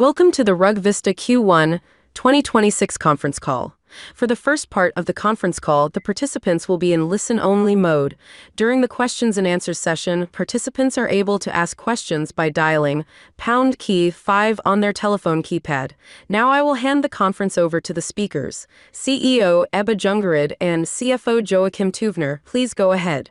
Welcome to the RugVista Q1 2026 Conference Call. For the first part of the conference call, the participants will be in listen-only mode during the questions-and-answers session, participants are able to ask questions by dialing pound key five on their telephone keypad. Now I will hand the conference over to the speakers. CEO Ebba Ljungerud and CFO Joakim Tuvner, please go ahead.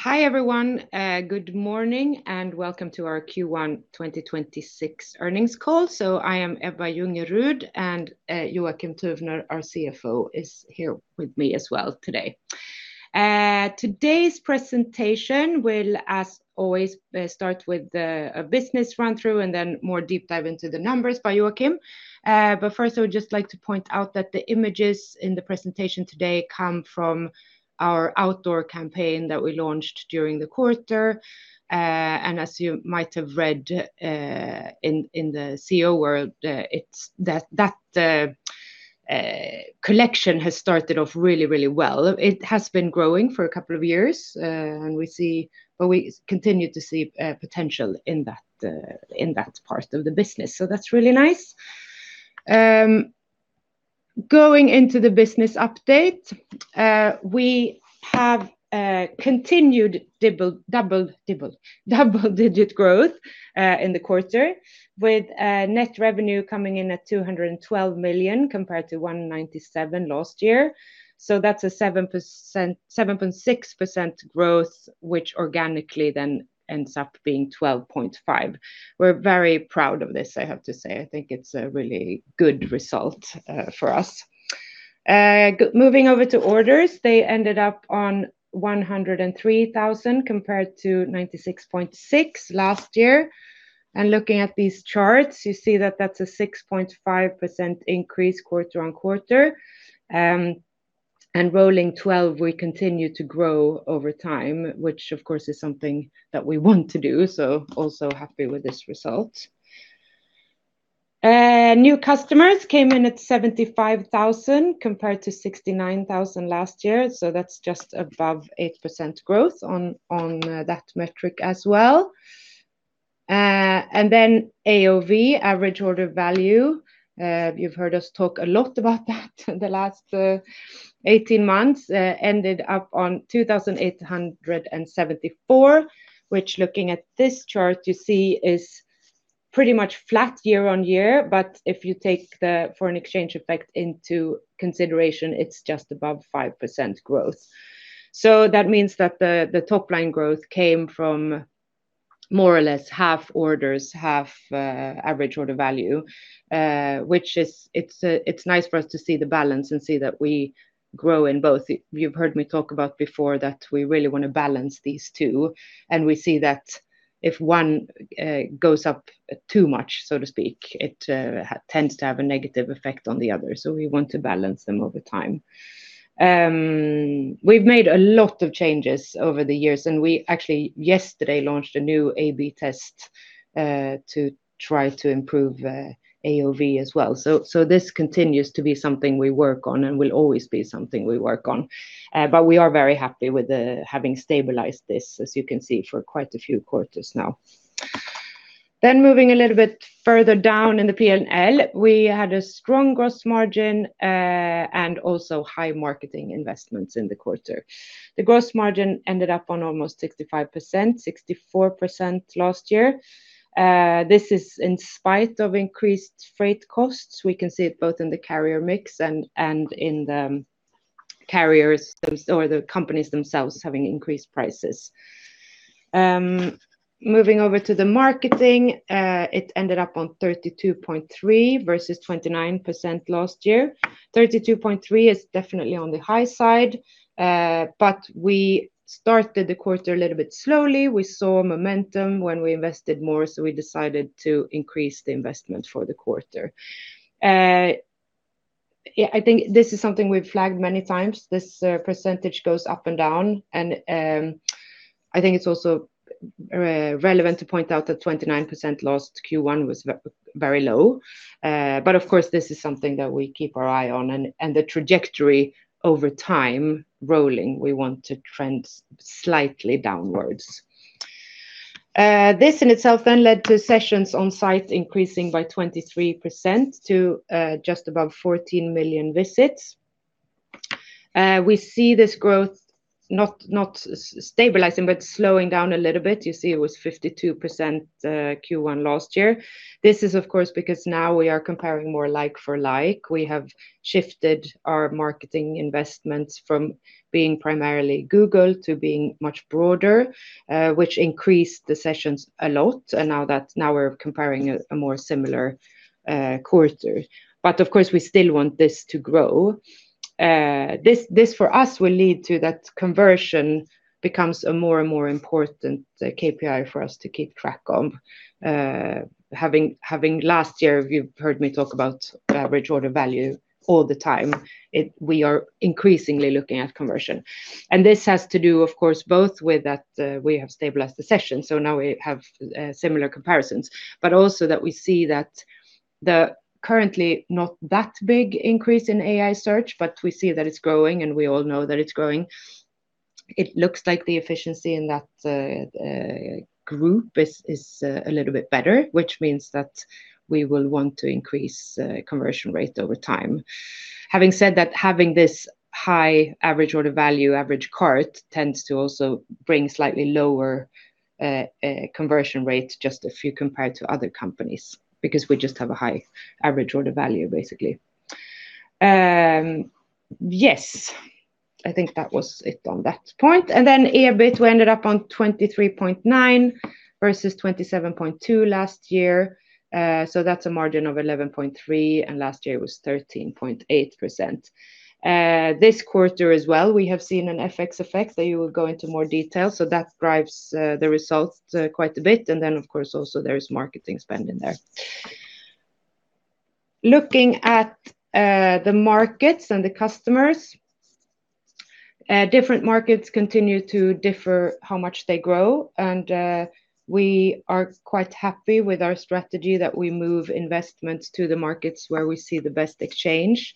Hi, everyone. Good morning, and welcome to our Q1 2026 earnings call. I am Ebba Ljungerud, and Joakim Tuvner, our CFO, is here with me as well today. Today's presentation will, as always, start with the business run-through and then more deep dive into the numbers by Joakim. First, I would just like to point out that the images in the presentation today come from our outdoor campaign that we launched during the quarter. As you might have read in the CEO word, that collection has started off really, really well. It has been growing for a couple of years, and we continue to see potential in that part of the business, so that's really nice. Going into the business update, we have continued double-digit growth in the quarter with net revenue coming in at 212 million compared to 197 million last year. That's a 7.6% growth, which organically then ends up being 12.5%. We're very proud of this, I have to say. I think it's a really good result for us. Moving over to orders, they ended up on 103,000 compared to 96,600 last year. Looking at these charts, you see that that's a 6.5% increase quarter-on-quarter. Rolling twelve, we continue to grow over time, which of course is something that we want to do, so also happy with this result. New customers came in at 75,000 compared to 69,000 last year, so that's just above 8% growth on that metric as well. AOV, average order value, you've heard us talk a lot about that the last 18 months, ended up on 2,874, which looking at this chart you see is pretty much flat year-on-year. If you take the foreign exchange effect into consideration, it's just above 5% growth. That means that the top line growth came from more or less half orders, half average order value, which is, it's nice for us to see the balance and see that we grow in both. You've heard me talk about before that we really wanna balance these two, and we see that if one goes up too much, so to speak, it tends to have a negative effect on the other. We want to balance them over time. We've made a lot of changes over the years. We actually yesterday launched a new A/B test to try to improve AOV as well. This continues to be something we work on and will always be something we work on. We are very happy with having stabilized this, as you can see, for quite a few quarters now. Moving a little bit further down in the P&L, we had a strong gross margin and also high marketing investments in the quarter. The gross margin ended up on almost 65%, 64% last year. This is in spite of increased freight costs. We can see it both in the carrier mix and in the carriers or the companies themselves having increased prices. Moving over to the marketing, it ended up on 32.3% versus 29% last year. 32.3% is definitely on the high side, we started the quarter a little bit slowly. We saw momentum when we invested more, we decided to increase the investment for the quarter. Yeah, I think this is something we've flagged many times. This percentage goes up and down, and I think it's also relevant to point out that 29% last Q1 was very low. Of course, this is something that we keep our eye on and the trajectory over time rolling, we want to trend slightly downwards. This in itself led to sessions on site increasing by 23% to just above 14 million visits. We see this growth not stabilizing, slowing down a little bit. You see it was 52% Q1 last year. This is of course because now we are comparing more like for like. We have shifted our marketing investments from being primarily Google to being much broader, which increased the sessions a lot, now we're comparing a more similar quarter. Of course, we still want this to grow. This for us will lead to that conversion becomes a more and more important KPI for us to keep track of. Having last year, you've heard me talk about average order value all the time. We are increasingly looking at conversion. This has to do, of course, both with that we have stabilized the session, so now we have similar comparisons, but also that we see that the currently not that big increase in AI search, but we see that it's growing, and we all know that it's growing. It looks like the efficiency in that group is a little bit better, which means that we will want to increase conversion rate over time. Having said that, having this high average order value, average cart tends to also bring slightly lower conversion rate just if you compare to other companies, because we just have a high average order value, basically. Yes, I think that was it on that point. EBIT, we ended up on 23.9 versus 27.2 last year. That's a margin of 11.3%, and last year it was 13.8%. This quarter as well, we have seen an FX effect that you will go into more detail, that drives the results quite a bit. Of course, also there is marketing spend in there. Looking at the markets and the customers, different markets continue to differ how much they grow, we are quite happy with our strategy that we move investments to the markets where we see the best exchange.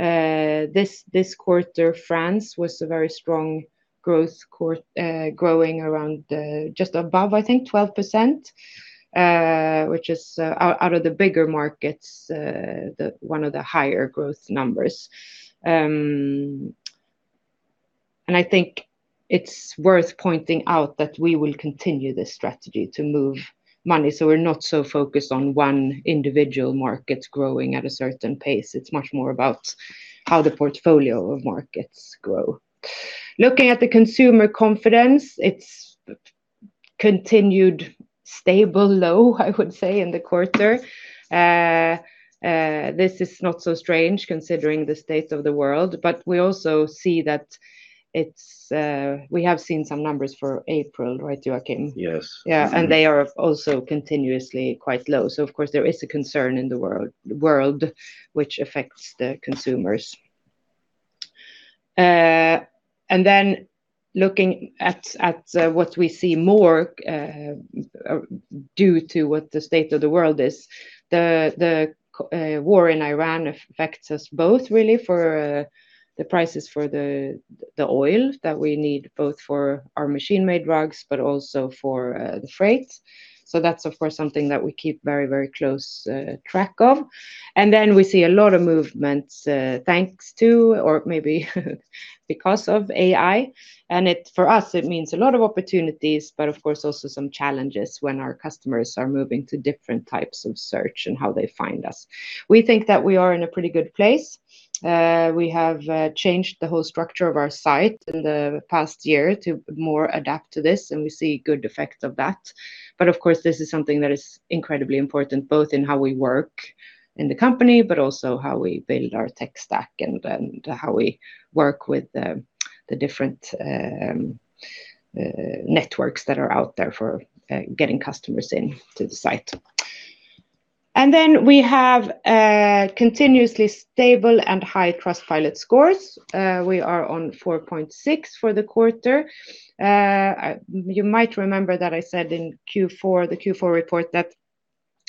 This, this quarter, France was a very strong growth, growing around, just above, I think, 12%, which is out of the bigger markets, one of the higher growth numbers. I think it's worth pointing out that we will continue this strategy to move money, we're not so focused on one individual market growing at a certain pace. It's much more about how the portfolio of markets grow. Looking at the consumer confidence, it's continued stable low, I would say, in the quarter. This is not so strange considering the state of the world, but we also see that it's We have seen some numbers for April, right, Joakim? Yes. They are also continuously quite low. Of course, there is a concern in the world which affects the consumers. Looking at what we see more due to what the state of the world is, the war in Iran affects us both really for the prices for the oil that we need both for our machine-made rugs but also for the freight. That's of course something that we keep very, very close track of. We see a lot of movements thanks to, or maybe because of AI, for us, it means a lot of opportunities, but of course also some challenges when our customers are moving to different types of search and how they find us. We think that we are in a pretty good place. We have changed the whole structure of our site in the past year to more adapt to this, and we see good effects of that. Of course, this is something that is incredibly important, both in how we work in the company, but also how we build our tech stack and how we work with the different networks that are out there for getting customers in to the site. Then we have continuously stable and high Trustpilot scores. We are on 4.6 for the quarter. You might remember that I said in Q4, the Q4 report that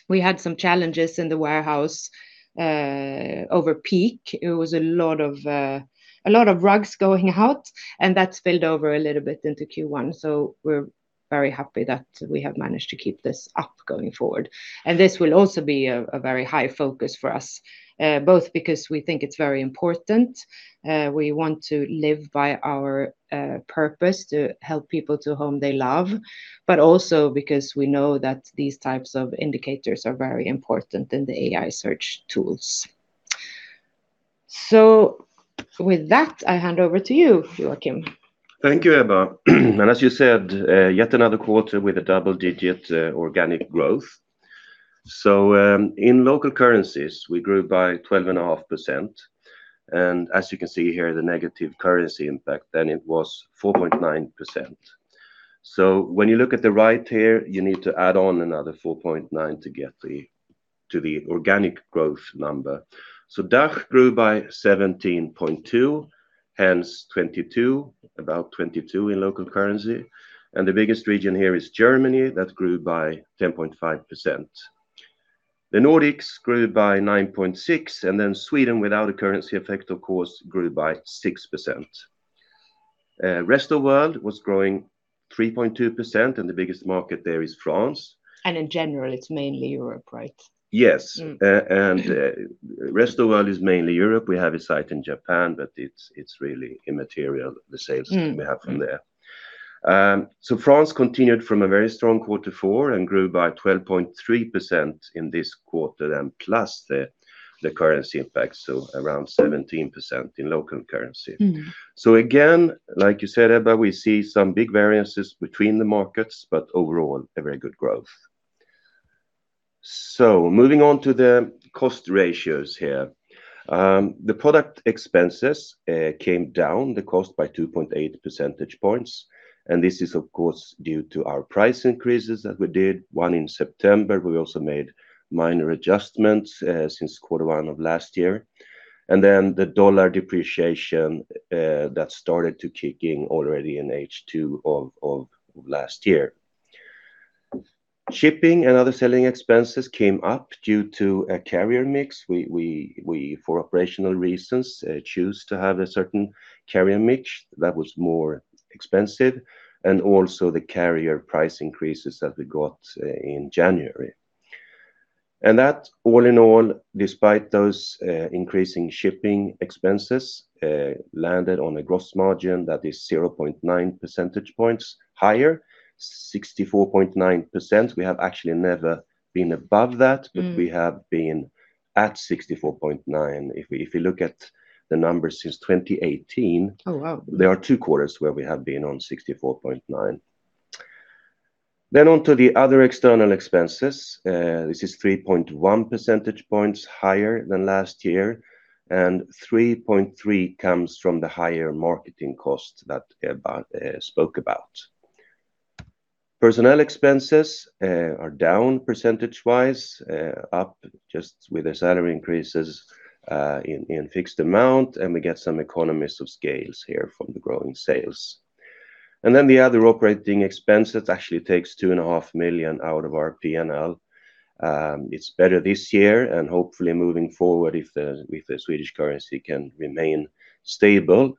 we had some challenges in the warehouse over peak. It was a lot of rugs going out. That spilled over a little bit into Q1. We're very happy that we have managed to keep this up going forward. This will also be a very high focus for us, both because we think it's very important. We want to live by our purpose to help people to home they love. Also because we know that these types of indicators are very important in the AI search tools. With that, I hand over to you, Joakim. Thank you, Ebba. As you said, yet another quarter with a double-digit organic growth. In local currencies, we grew by 12.5%. As you can see here, the negative currency impact, it was 4.9%. When you look at the right here, you need to add on another 4.9% to get to the organic growth number. DACH grew by 17.2%, hence 22%, about 22% in local currency. The biggest region here is Germany. That grew by 10.5%. The Nordics grew by 9.6%, Sweden, without a currency effect, of course, grew by 6%. Rest of world was growing 3.2%, the biggest market there is France. In general, it's mainly Europe, right? Yes. Rest of world is mainly Europe. We have a site in Japan, but it's really immaterial the sales we have from there. France continued from a very strong Q4 and grew by 12.3% in this quarter, and plus the currency impact, so around 17% in local currency. Again, like you said, Ebba, we see some big variances between the markets, but overall, a very good growth. Moving on to the cost ratios here. The product expenses came down the cost by 2.8 percentage points, and this is of course due to our price increases that we did, one in September. We also made minor adjustments since Q1 of last year. The dollar depreciation that started to kick in already in H2 of last year. Shipping and other selling expenses came up due to a carrier mix. We for operational reasons choose to have a certain carrier mix that was more expensive, and also the carrier price increases that we got in January. That all in all, despite those increasing shipping expenses, landed on a gross margin that is 0.9 percentage points higher, 64.9%. We have actually never been above that. We have been at 64.9%. If you look at the numbers since 2018. Oh, wow. There are two quarters where we have been on 64.9%. Onto the other external expenses. This is 3.1 percentage points higher than last year, and 3.3 comes from the higher marketing costs that Ebba spoke about. Personnel expenses are down percentage-wise, up just with the salary increases in fixed amount and we get some economies of scales here from the growing sales. The other operating expenses actually takes 2.5 million out of our P&L. It's better this year and hopefully moving forward if the Swedish currency can remain stable,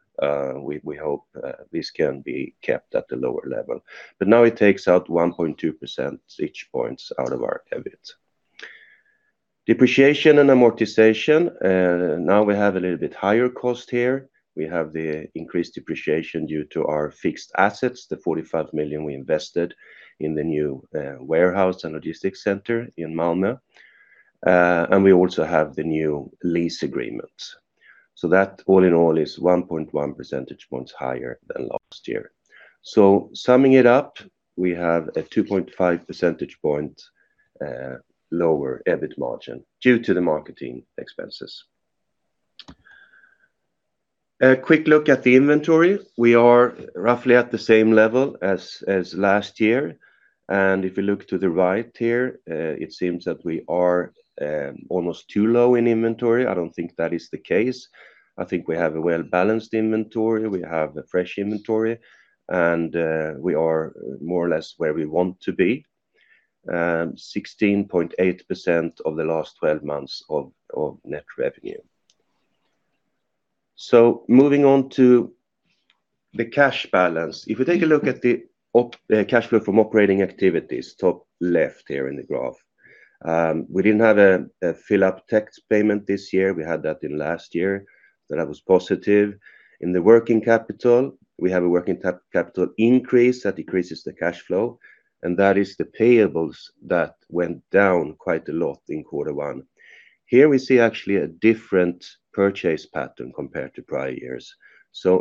we hope this can be kept at a lower level. Now it takes out 1.2 percentage points out of our EBIT. Depreciation and amortization, now we have a little bit higher cost here. We have the increased depreciation due to our fixed assets, the 45 million we invested in the new warehouse and logistics center in Malmö. We also have the new lease agreements. That all in all is 1.1 percentage points higher than last year. Summing it up, we have a 2.5 percentage point lower EBIT margin due to the marketing expenses. A quick look at the inventory. We are roughly at the same level as last year, if you look to the right here, it seems that we are almost too low in inventory. I don't think that is the case. I think we have a well-balanced inventory. We have a fresh inventory, and we are more or less where we want to be, 16.8% of the last twelve months of net revenue. Moving on to the cash balance. If we take a look at the cash flow from operating activities, top left here in the graph. We didn't have a fill up tax payment this year. We had that in last year. That was positive. In the working capital, we have a working capital increase that decreases the cash flow, and that is the payables that went down quite a lot in Q1. Here we see actually a different purchase pattern compared to prior years.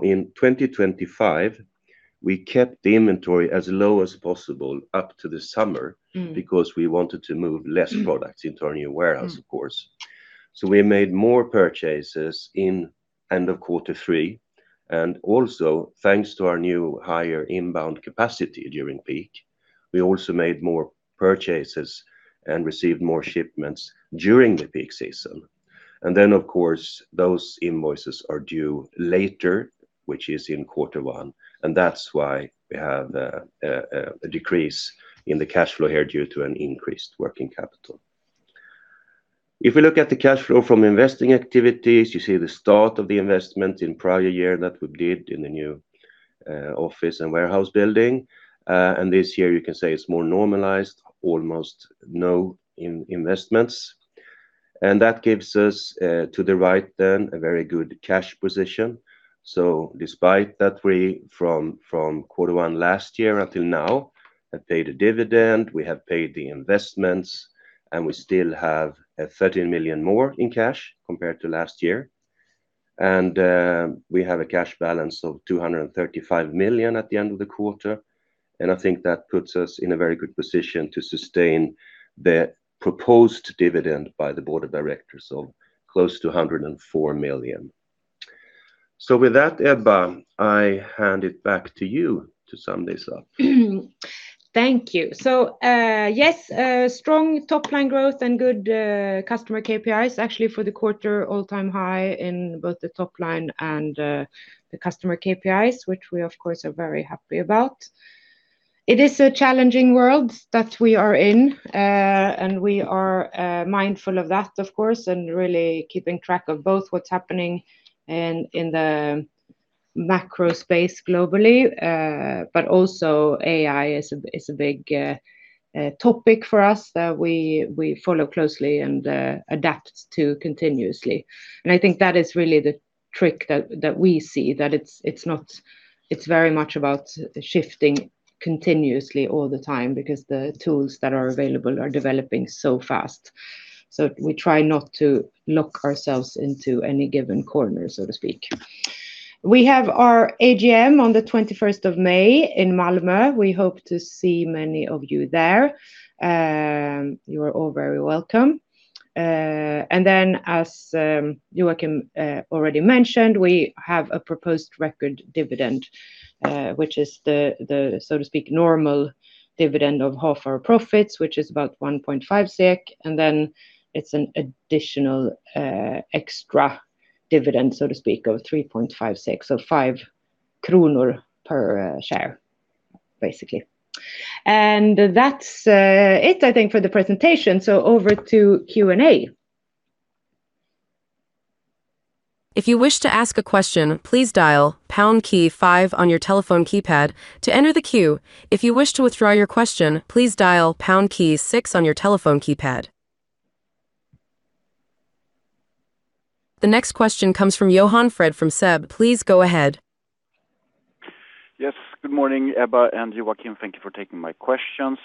In 2025, we kept the inventory as low as possible up to the summer because we wanted to move less products into our new warehouse, of course. We made more purchases in end of Q3, and also thanks to our new higher inbound capacity during peak, we also made more purchases and received more shipments during the peak season. Of course, those invoices are due later, which is in Q1, and that's why we have a decrease in the cash flow here due to an increased working capital. If we look at the cash flow from investing activities, you see the start of the investment in prior year that we did in the new office and warehouse building. This year you can say it's more normalized, almost no investments. That gives us to the right then a very good cash position. Despite that we from Q1 last year until now have paid a dividend, we have paid the investments, and we still have 13 million more in cash compared to last year. We have a cash balance of 235 million at the end of the quarter, and I think that puts us in a very good position to sustain the proposed dividend by the board of directors of close to 104 million. With that, Ebba, I hand it back to you to sum this up. Thank you. Yes, strong top line growth and good customer KPIs actually for the quarter, all-time high in both the top line and the customer KPIs, which we of course are very happy about. It is a challenging world that we are in, and we are mindful of that, of course, and really keeping track of both what's happening in the macro space globally, but also AI is a big topic for us that we follow closely and adapt to continuously. I think that is really the trick that we see, that it's very much about shifting continuously all the time because the tools that are available are developing so fast. We try not to lock ourselves into any given corner, so to speak. We have our AGM on the 21st of May in Malmö. We hope to see many of you there. You are all very welcome. As Joakim already mentioned, we have a proposed record dividend, which is the, so to speak, normal dividend of half our profits, which is about 1.5 SEK, and then it's an additional extra dividend, so to speak, of 3.5, so 5 kronor per share, basically. That's it I think for the presentation, over to Q&A. If you wish to ask a question, please dial pound key five on your telephone keypad to enter the queue. If you wish to withdraw your question, please dial pound key six on your telephone keypad. The next question comes from Johan Fred from SEB. Please go ahead. Yes. Good morning, Ebba and Joakim. Thank you for taking my questions.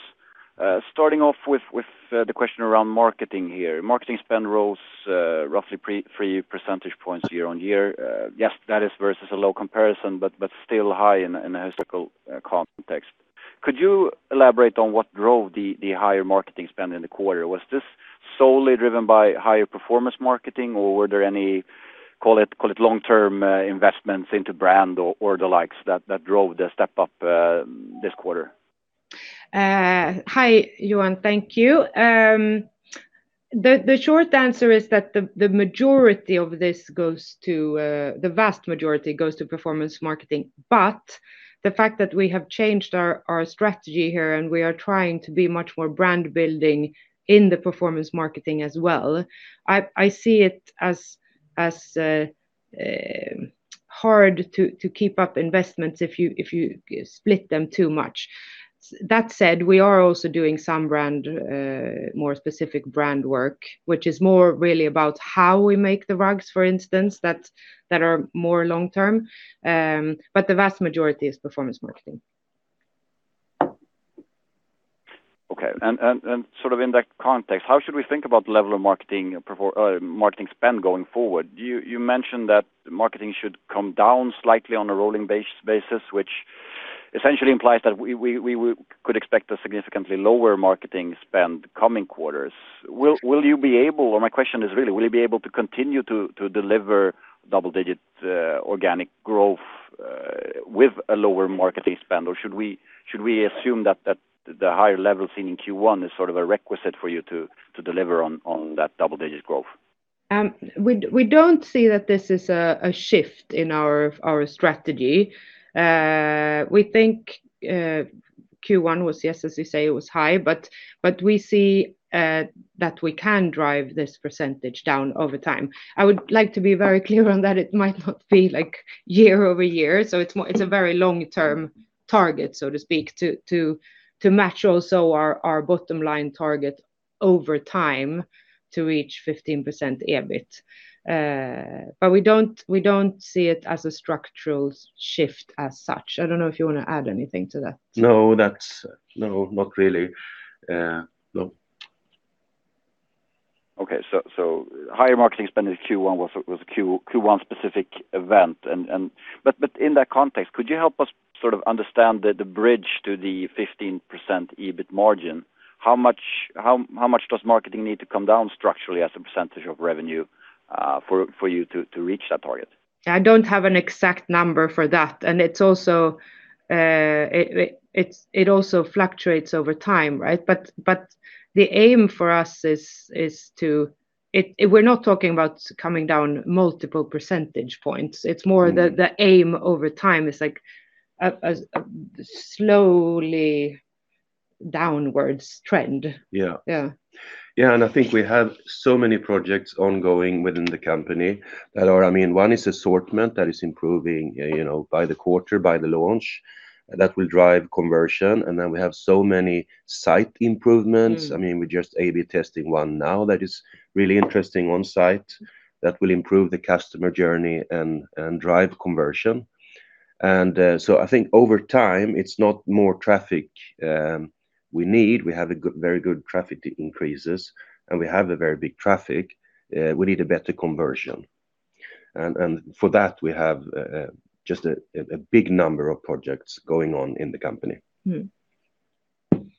Starting off with the question around marketing here. Marketing spend rose, roughly three percentage points year-on-year. Yes, that is versus a low comparison but still high in a historical context. Could you elaborate on what drove the higher marketing spend in the quarter? Was this solely driven by higher performance marketing, or were there any, call it long-term investments into brand or the likes that drove the step up this quarter? Hi, Johan. Thank you. The short answer is that the majority of this goes to the vast majority goes to performance marketing. The fact that we have changed our strategy here and we are trying to be much more brand building in the performance marketing as well, I see it as hard to keep up investments if you split them too much. That said, we are also doing some brand more specific brand work, which is more really about how we make the rugs, for instance, that are more long-term. The vast majority is performance marketing. Okay. Sort of in that context, how should we think about level of marketing spend going forward? You mentioned that marketing should come down slightly on a rolling basis, which essentially implies that we would, could expect a significantly lower marketing spend coming quarters. My question is really, will you be able to continue to deliver double-digits organic growth with a lower marketing spend? Should we assume that the higher level seen in Q1 is sort of a requisite for you to deliver on that double-digit growth? We don't see that this is a shift in our strategy. We think Q1 was, yes, as you say, it was high, but we see that we can drive this percentage down over time. I would like to be very clear on that it might not be like year-over-year. It's a very long-term target, so to speak, to match also our bottom line target over time to reach 15% EBIT. We don't see it as a structural shift as such. I don't know if you wanna add anything to that. No, that's No, not really. No. Higher marketing spend in Q1 was a Q1 specific event. In that context, could you help us sort of understand the bridge to the 15% EBIT margin? How much does marketing need to come down structurally as a percentage of revenue for you to reach that target? I don't have an exact number for that. It's also, it also fluctuates over time, right? The aim for us is to, we're not talking about coming down multiple percentage points. It's more the aim over time is like a slowly downwards trend. Yeah. Yeah. Yeah, I think we have so many projects ongoing within the company. I mean, one is assortment that is improving, you know, by the quarter, by the launch, that will drive conversion. Then we have so many site improvements. I mean, we're just A/B testing one now that is really interesting on site that will improve the customer journey and drive conversion. I think over time, it's not more traffic we need. We have a very good traffic increases, and we have a very big traffic. We need a better conversion. For that, we have just a big number of projects going on in the company.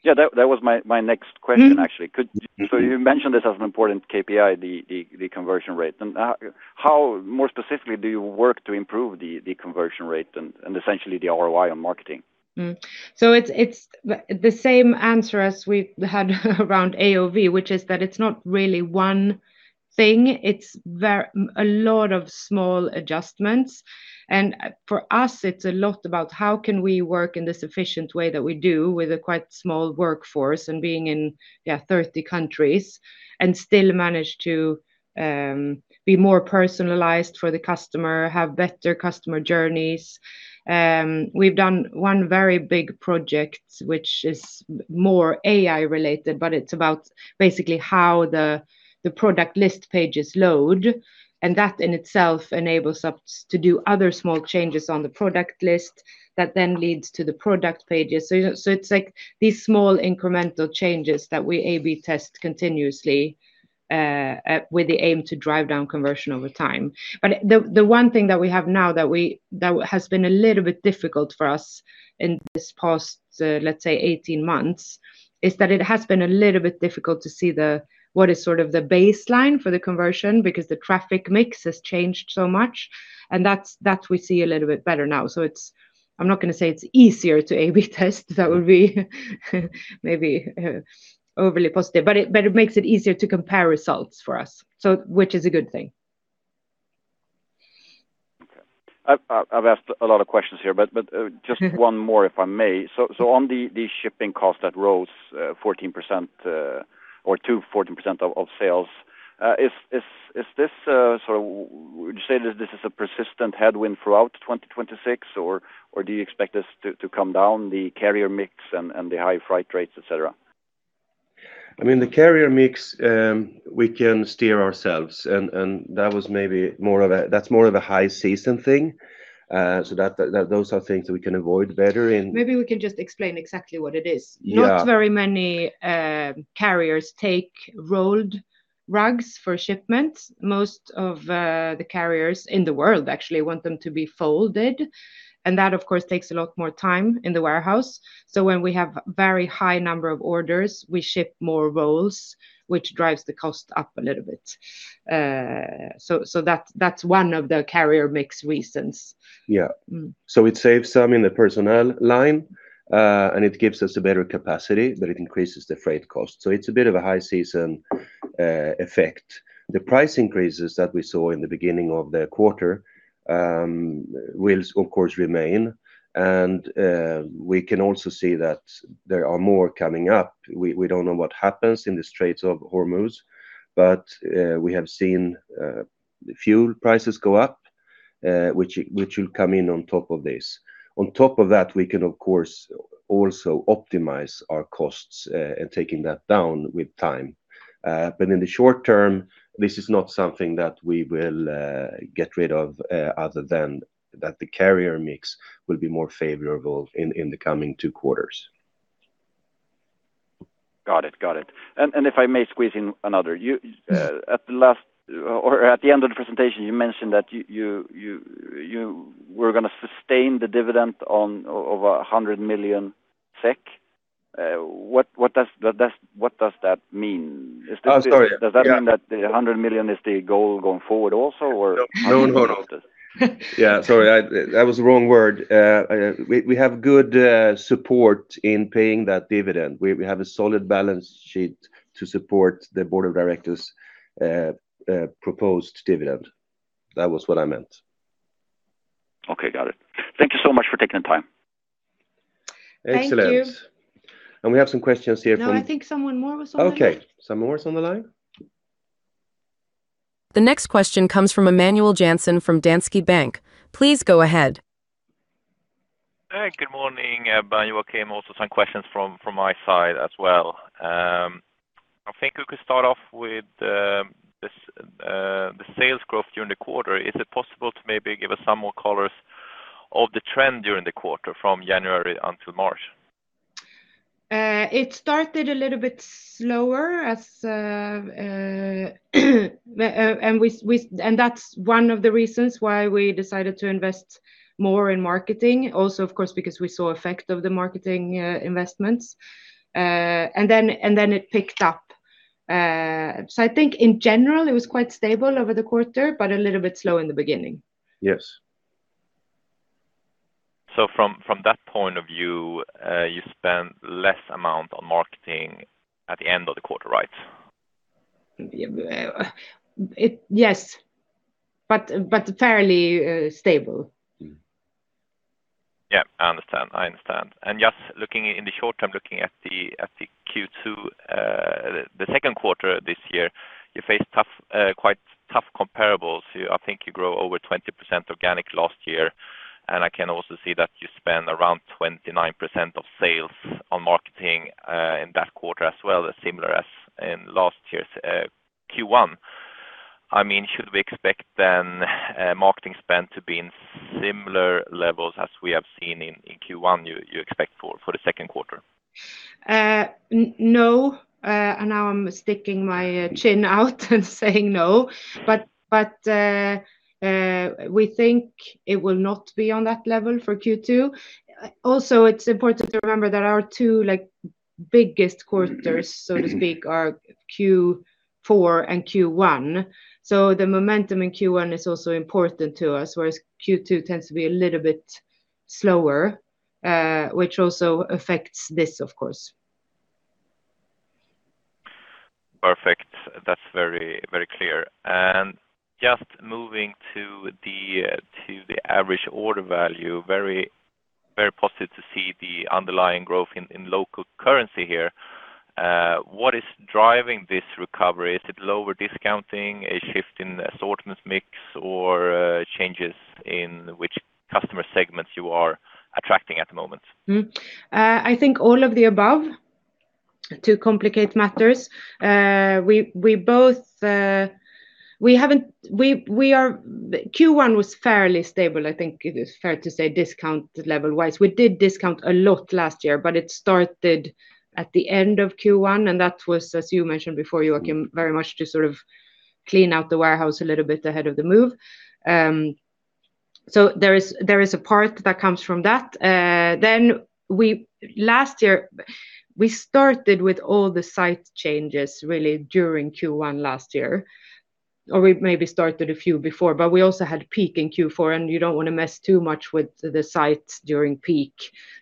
Yeah, that was my next question actually. You mentioned this as an important KPI, the conversion rate. How more specifically do you work to improve the conversion rate and essentially the ROI on marketing? It's the same answer as we had around AOV, which is that it's not really one thing. It's a lot of small adjustments. For us, it's a lot about how can we work in the sufficient way that we do with a quite small workforce and being in, yeah, 30 countries, and still manage to be more personalized for the customer, have better customer journeys. We've done one very big project which is more AI related, but it's about basically how the product list pages load, and that in itself enables us to do other small changes on the product list that then leads to the product pages. It's like these small incremental changes that we A/B test continuously with the aim to drive down conversion over time. The one thing that we have now that has been a little bit difficult for us in this past, let's say 18 months, is that it has been a little bit difficult to see the what is sort of the baseline for the conversion because the traffic mix has changed so much, and that's that we see a little bit better now. I'm not gonna say it's easier to A/B test. That would be maybe overly positive, but it makes it easier to compare results for us, which is a good thing. Okay. I've asked a lot of questions here, but one more, if I may. On the shipping cost that rose 14%, or to 14% of sales, is this sort of would you say this is a persistent headwind throughout 2026 or do you expect this to come down, the carrier mix and the high freight rates, et cetera? I mean, the carrier mix, we can steer ourselves and that was maybe more of a high season thing. Those are things that we can avoid better in- Maybe we can just explain exactly what it is. Yeah. Not very many carriers take rolled rugs for shipments. Most of the carriers in the world actually want them to be folded, and that, of course, takes a lot more time in the warehouse. When we have very high number of orders, we ship more rolls, which drives the cost up a little bit. So that's one of the carrier mix reasons. Yeah. It saves some in the personnel line, and it gives us a better capacity, but it increases the freight cost. It's a bit of a high season effect. The price increases that we saw in the beginning of the quarter will of course remain, and we can also see that there are more coming up. We don't know what happens in the Straits of Hormuz, but we have seen fuel prices go up, which will come in on top of this. On top of that, we can of course also optimize our costs and taking that down with time. In the short term, this is not something that we will get rid of, other than that the carrier mix will be more favorable in the coming two quarters. Got it. Got it. If I may squeeze in another. At the end of the presentation, you mentioned that you were gonna sustain the dividend over 100 million SEK. What does that mean? Oh, sorry. Yeah. Does that mean that the 100 million is the goal going forward also? No. No, no Yeah, sorry. I That was the wrong word. We have good support in paying that dividend. We have a solid balance sheet to support the board of directors', proposed dividend. That was what I meant. Okay, got it. Thank you so much for taking the time. Excellent. Thank you. We have some questions here from No, I think someone more was on the line. Okay. Someone more is on the line? The next question comes from Emanuel Jansson from Danske Bank. Please go ahead. Good morning, Emanuel here. Have also some questions from my side as well. I think we could start off with the sales growth during the quarter. Is it possible to maybe give us some more colors of the trend during the quarter from January until March? It started a little bit slower. That's one of the reasons why we decided to invest more in marketing. Also, of course, because we saw effect of the marketing investments. It picked up. I think in general, it was quite stable over the quarter, but a little bit slow in the beginning. Yes. From that point of view, you spent less amount on marketing at the end of the quarter, right? Yeah, Yes, but fairly stable. Yeah, I understand. I understand. Just looking in the short term, looking at the Q2, the second quarter this year, you face tough, quite tough comparables. You, I think you grow over 20% organic last year, I can also see that you spend around 29% of sales on marketing in that quarter as well, as similar as in last year's Q1. I mean, should we expect then, marketing spend to be in similar levels as we have seen in Q1, you expect for the second quarter? No. Now I'm sticking my chin out and saying no. We think it will not be on that level for Q2. It's important to remember that our two, like, biggest quarters- so to speak, are Q4 and Q1. The momentum in Q1 is also important to us, whereas Q2 tends to be a little bit slower, which also affects this, of course. Perfect. That's very, very clear. Just moving to the, to the average order value, very, very positive to see the underlying growth in local currency here. What is driving this recovery? Is it lower discounting, a shift in the assortment mix, or changes in which customer segments you are attracting at the moment? I think all of the above, to complicate matters. We haven't, Q1 was fairly stable, I think it is fair to say, discount level-wise. We did discount a lot last year, but it started at the end of Q1. That was, as you mentioned before, Joakim, very much to sort of clean out the warehouse a little bit ahead of the move. There is, there is a part that comes from that. Last year, we started with all the site changes really during Q1 last year. We maybe started a few before, but we also had peak in Q4, and you don't wanna mess too much with the sites during peak.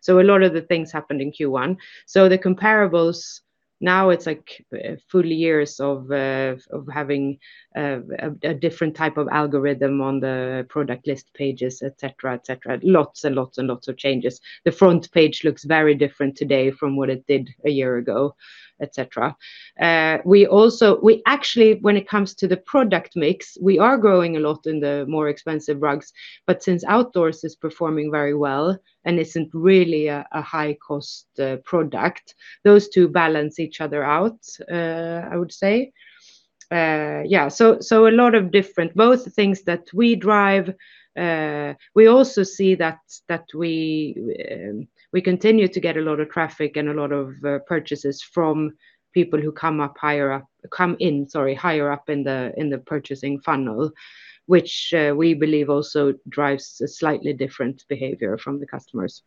A lot of the things happened in Q1. The comparables now it's like full years of having a different type of algorithm on the product list pages, et cetera, et cetera. Lots and lots and lots of changes. The front page looks very different today from what it did a year ago, et cetera. We actually, when it comes to the product mix, we are growing a lot in the more expensive rugs. Since outdoors is performing very well and isn't really a high-cost product, those two balance each other out, I would say. A lot of different things that we drive. We also see that we continue to get a lot of traffic and a lot of purchases from people who come in, sorry, higher up in the purchasing funnel, which, we believe also drives a slightly different behavior from the customers.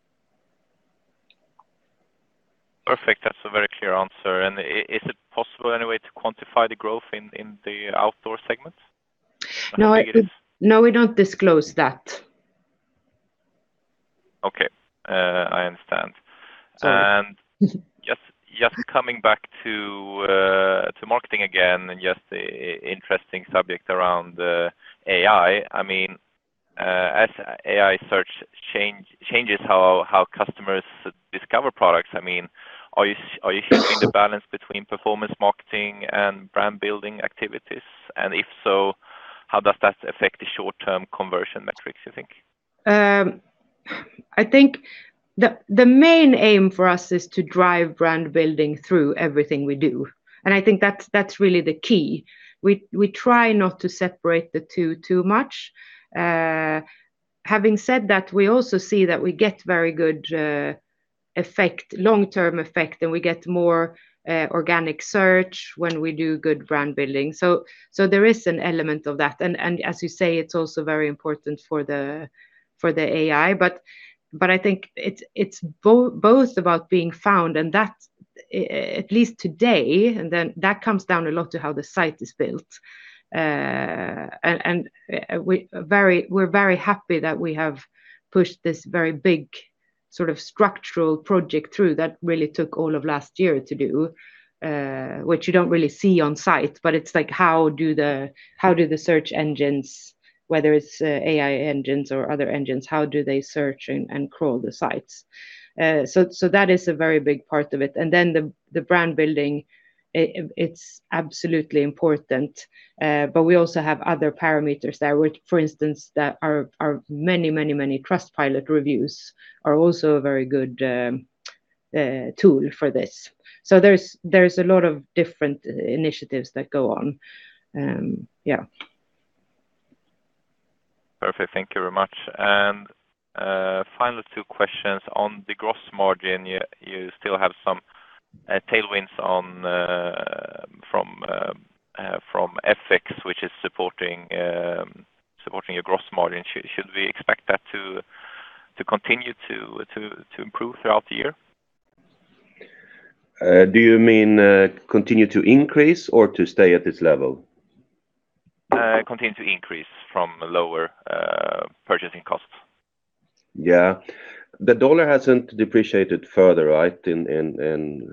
Perfect. That's a very clear answer. Is it possible any way to quantify the growth in the outdoor segment? No, no, we don't disclose that. Okay. I understand. Just coming back to marketing again and just interesting subject around AI. As AI search changes how customers discover products, are you shifting the balance between performance marketing and brand-building activities? If so, how does that affect the short-term conversion metrics, you think? I think the main aim for us is to drive brand building through everything we do, and I think that's really the key. We try not to separate the two too much. Having said that, we also see that we get very good effect, long-term effect, and we get more organic search when we do good brand building. There is an element of that. As you say, it's also very important for the, for the AI. I think it's both about being found and that, at least today, and then that comes down a lot to how the site is built. We're very happy that we have pushed this very big sort of structural project through that really took all of last year to do, which you don't really see on site, but it's like how do the search engines, whether it's AI engines or other engines, how do they search and crawl the sites? That is a very big part of it. Then the brand building, it's absolutely important. We also have other parameters there, which, for instance, that are many, many, many Trustpilot reviews are also a very good tool for this. There's a lot of different initiatives that go on. Yeah. Perfect. Thank you very much. Final two questions. On the gross margin, you still have some tailwinds on from FX, which is supporting your gross margin. Should we expect that to continue to improve throughout the year? Do you mean, continue to increase or to stay at this level? Continue to increase from lower purchasing costs. The dollar hasn't depreciated further, right, in, in,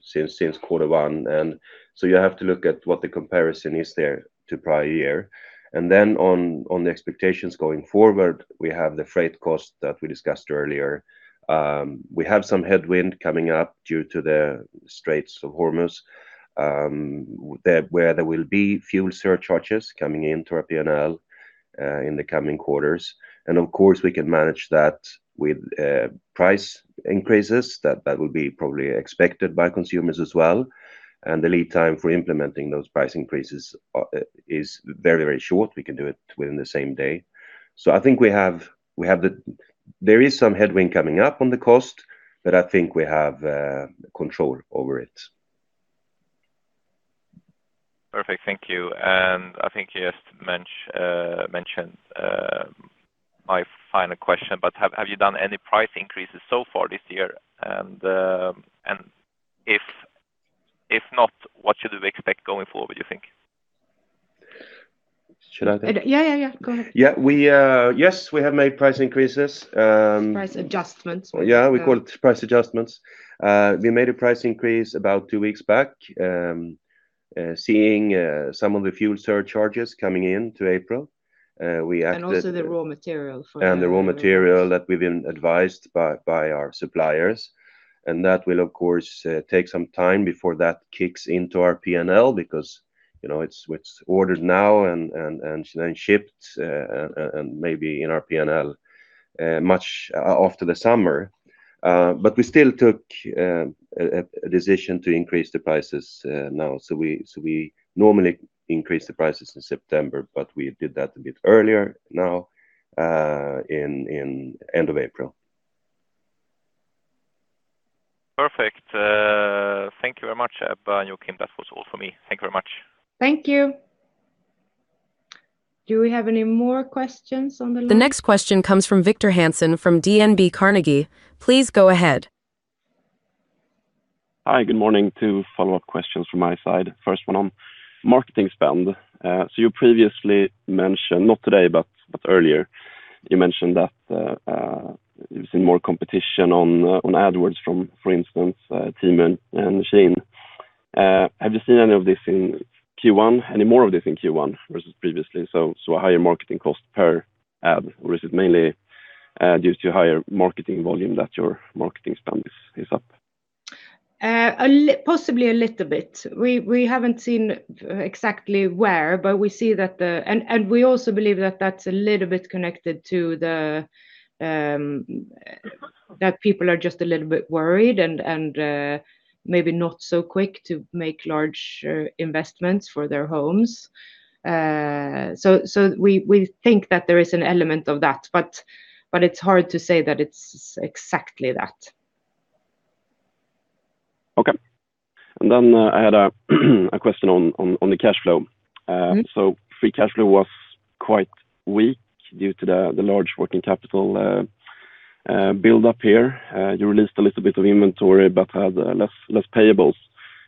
since Q1. You have to look at what the comparison is there to prior year. On the expectations going forward, we have the freight cost that we discussed earlier. We have some headwind coming up due to the Straits of Hormuz, where there will be fuel surcharges coming into our P&L in the coming quarters. Of course, we can manage that with price increases. That will be probably expected by consumers as well. The lead time for implementing those price increases is very short. We can do it within the same day. I think we have there is some headwind coming up on the cost, but I think we have control over it. Perfect. Thank you. I think you just mentioned my final question, but have you done any price increases so far this year? If not, what should we expect going forward, you think? Should I take? Yeah. Go ahead. Yeah. We, yes, we have made price increases. Price adjustments. We call it price adjustments. We made a price increase about two weeks back, seeing some of the fuel surcharges coming in to April. Also the raw material. The raw material that we've been advised by our suppliers. That will, of course, take some time before that kicks into our P&L because, you know, it's ordered now and then shipped and maybe in our P&L much after the summer. We still took a decision to increase the prices now. We normally increase the prices in September, but we did that a bit earlier now in end of April. Perfect. Thank you very much, Ebba and Joakim. That was all for me. Thank you very much. Thank you. Do we have any more questions on the line? The next question comes from Victor Hansen from DNB Carnegie. Please go ahead. Hi, good morning. Two follow-up questions from my side. First one on marketing spend. You previously mentioned, not today but earlier, you mentioned that you've seen more competition on AdWords from, for instance, Temu and SHEIN. Have you seen any of this in Q1, any more of this in Q1 versus previously? A higher marketing cost per ad, or is it mainly due to higher marketing volume that your marketing spend is up? Possibly a little bit. We haven't seen exactly where, but we see that the And we also believe that that's a little bit connected to the that people are just a little bit worried and maybe not so quick to make large investments for their homes. We think that there is an element of that, but it's hard to say that it's exactly that. Okay. I had a question on the cash flow. Free cash flow was quite weak due to the large working capital build up here. You released a little bit of inventory but had less payables.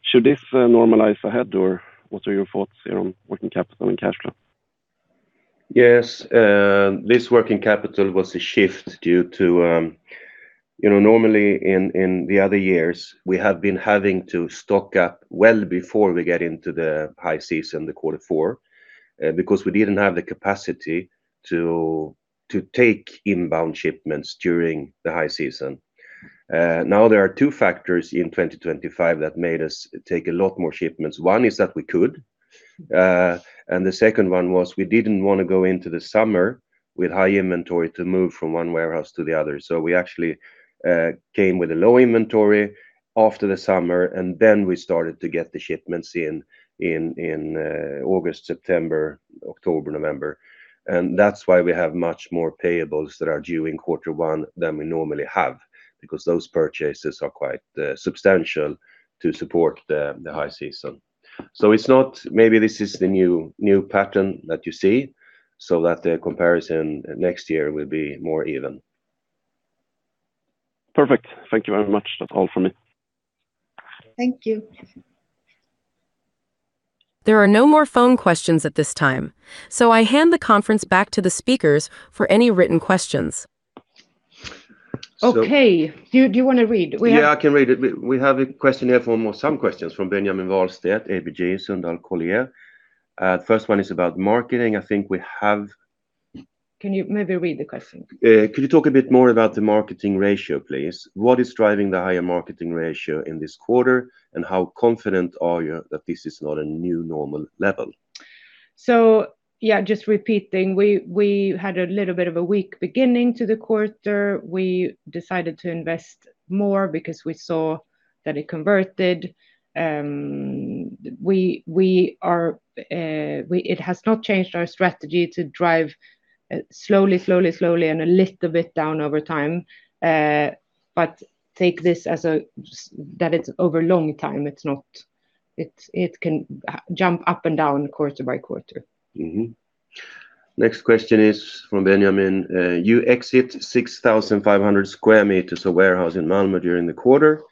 Should this normalize ahead, or what are your thoughts here on working capital and cash flow? This working capital was a shift due to, you know, normally in the other years, we have been having to stock up well before we get into the high season, the Q4, because we didn't have the capacity to take inbound shipments during the high season. Now there are two factors in 2025 that made us take a lot more shipments. One is that we could, and the second one was we didn't want to go into the summer with high inventory to move from one warehouse to the other. We actually came with a low inventory after the summer, and then we started to get the shipments in August, September, October, November. That's why we have much more payables that are due in Q1 than we normally have, because those purchases are quite substantial to support the high season. Maybe this is the new pattern that you see, so that the comparison next year will be more even. Perfect. Thank you very much. That is all from me. Thank you. There are no more phone questions at this time, so I hand the conference back to the speakers for any written questions. Okay. Do you wanna read? We have Yeah, I can read it. We have a question here or some questions from Benjamin Wahlstedt, ABG Sundal Collier. First one is about marketing. Can you maybe read the question? Could you talk a bit more about the marketing ratio, please? What is driving the higher marketing ratio in this quarter, and how confident are you that this is not a new normal level? Yeah, just repeating, we had a little bit of a weak beginning to the quarter. We decided to invest more because we saw that it converted. We are, it has not changed our strategy to drive slowly and a little bit down over time. Take this as that it's over long time. It's not. It can jump up and down quarter by quarter. Next question is from Benjamin. You exit 6,500 square meters of warehouse in Malmö during the quarter.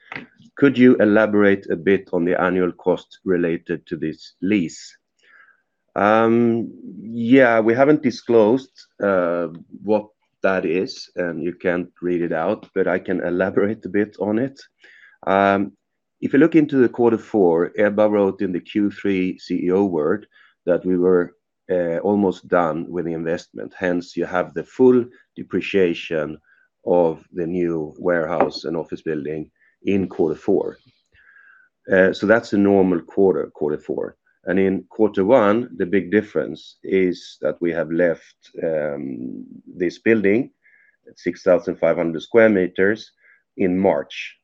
Could you elaborate a bit on the annual cost related to this lease? Yeah, we haven't disclosed what that is, you can't read it out, but I can elaborate a bit on it. If you look into the Q4, Ebba wrote in the Q3 CEO word that we were almost done with the investment. You have the full depreciation of the new warehouse and office building in Q4. That's a normal Q4. In Q1, the big difference is that we have left this building at 6,500 square meters in March.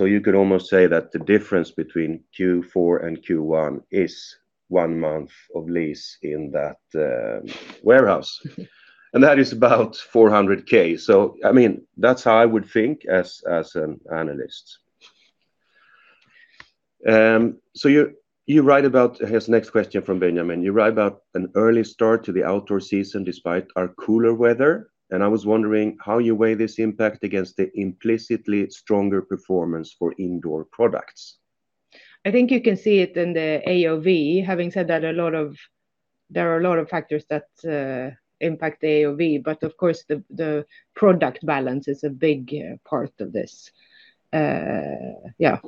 You could almost say that the difference between Q4 and Q1 is one month of lease in that warehouse. That is about 400,000. I mean, that's how I would think as an analyst. Here's the next question from Benjamin. You write about an early start to the outdoor season despite our cooler weather, and I was wondering how you weigh this impact against the implicitly stronger performance for indoor products. I think you can see it in the AOV. Having said that, there are a lot of factors that impact the AOV, but of course, the product balance is a big part of this. Yeah.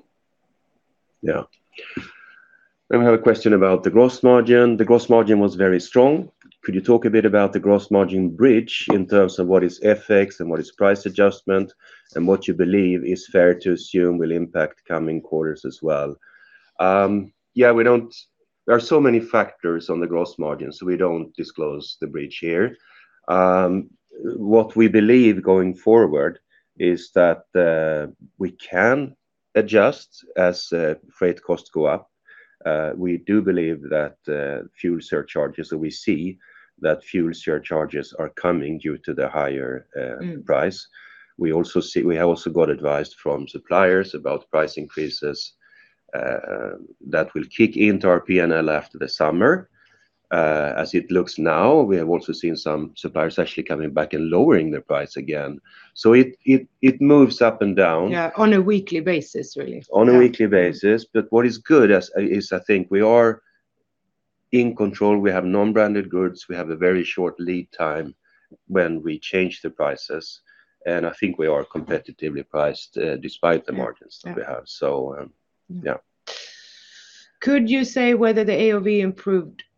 We have a question about the gross margin. The gross margin was very strong. Could you talk a bit about the gross margin bridge in terms of what is FX and what is price adjustment, and what you believe is fair to assume will impact coming quarters as well? Yeah, there are so many factors on the gross margin, so we don't disclose the bridge here. What we believe going forward is that we can adjust as freight costs go up. We do believe that fuel surcharges, so we see that fuel surcharges are coming due to the higher price. We have also got advice from suppliers about price increases that will kick into our P&L after the summer. As it looks now, we have also seen some suppliers actually coming back and lowering their price again. It moves up and down. Yeah, on a weekly basis really. On a weekly basis. What is good as, is I think we are in control. We have non-branded goods. We have a very short lead time when we change the prices. I think we are competitively priced despite the margins that we have. Yeah. Yeah. Could you say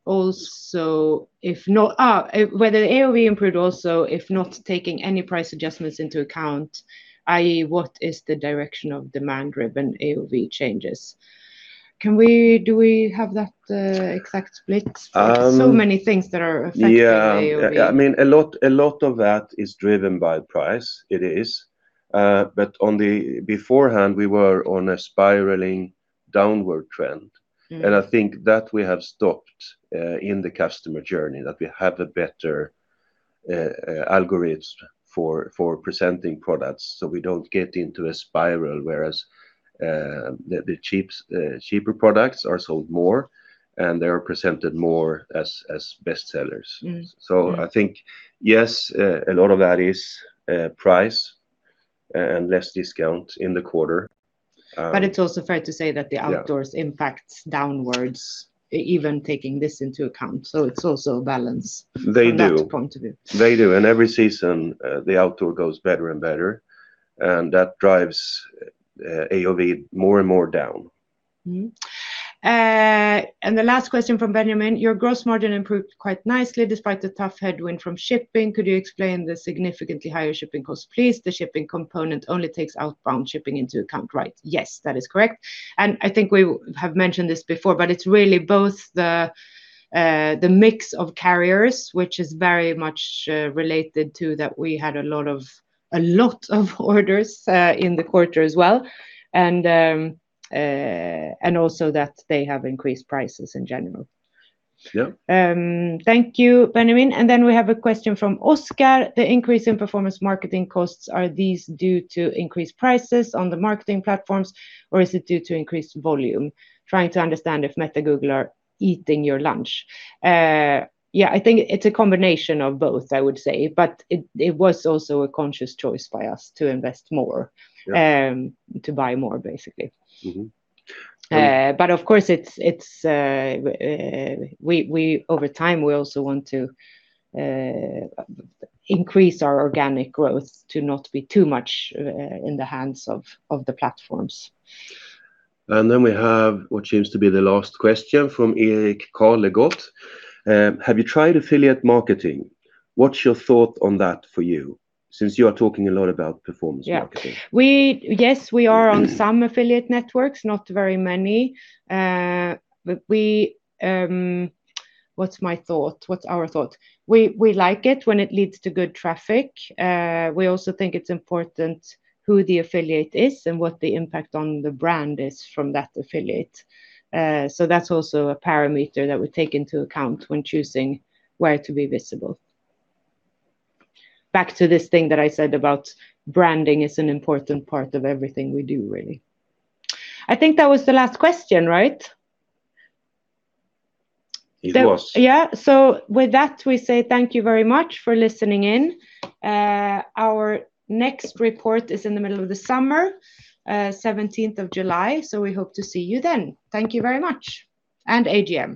whether the AOV improved also if not taking any price adjustments into account, i.e., what is the direction of demand-driven AOV changes? Do we have that exact split? Many things that are affecting the AOV. Yeah. I mean, a lot of that is driven by price. It is. On the beforehand, we were on a spiraling downward trend. I think that we have stopped in the customer journey, that we have a better algorithms for presenting products, so we don't get into a spiral whereas, the cheap, cheaper products are sold more and they are presented more as best sellers. I think yes, a lot of that is price and less discount in the quarter. It's also fair to say that the outdoors impacts downwards, even taking this into account. They do. From that point of view. They do. Every season, the outdoor goes better and better, and that drives AOV more and more down. The last question from Benjamin, your gross margin improved quite nicely despite the tough headwind from shipping. Could you explain the significantly higher shipping costs, please? The shipping component only takes outbound shipping into account, right? Yes, that is correct. I think we have mentioned this before, but it's really both the mix of carriers, which is very much related to that we had a lot of orders in the quarter as well, and also that they have increased prices in general. Yeah. Thank you, Benjamin. Then we have a question from Oscar. The increase in performance marketing costs, are these due to increased prices on the marketing platforms, or is it due to increased volume? Trying to understand if Meta, Google are eating your lunch. Yeah, I think it's a combination of both, I would say, but it was also a conscious choice by us to invest more to buy more basically. Of course it's over time, we also want to increase our organic growth to not be too much in the hands of the platforms. We have what seems to be the last question from Erik Carlegård. Have you tried affiliate marketing? What's your thought on that for you, since you are talking a lot about performance marketing? Yes, we are on some affiliate networks, not very many. We, what's my thought? What's our thought? We like it when it leads to good traffic. We also think it's important who the affiliate is and what the impact on the brand is from that affiliate. That's also a parameter that we take into account when choosing where to be visible. Back to this thing that I said about branding is an important part of everything we do, really. I think that was the last question, right? It was. With that, we say thank you very much for listening in. Our next report is in the middle of the summer, 17th of July, we hope to see you then. Thank you very much, and AGM.